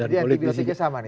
dan politiknya sama nih ya